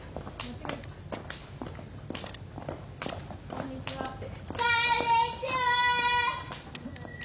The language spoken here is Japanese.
こんにちはって。